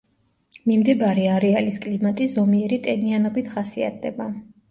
მიმდებარე არეალის კლიმატი ზომიერი ტენიანობით ხასიათდება.